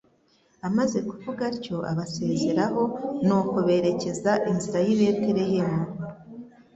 Amaze kuvuga atyo abasezeraho nuko berekeza inzira y' i Betelehemu.